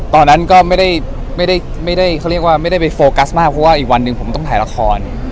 ตอนนั้นก็ไม่ได้เขาเรียกว่าไม่ได้ไปโฟกัสมากเพราะว่าอีกวันหนึ่งผมต้องถ่ายละคร